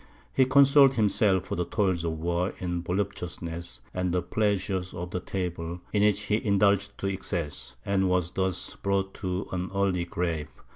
He consoled himself for the toils of war in voluptuousness and the pleasures of the table, in which he indulged to excess, and was thus brought to an early grave.